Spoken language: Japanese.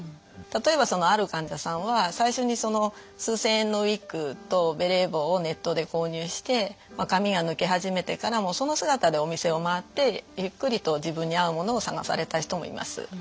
例えばそのある患者さんは最初にその数千円のウイッグとベレー帽をネットで購入して髪が抜け始めてからその姿でお店を回ってゆっくりと自分に合うものを探された人もいます。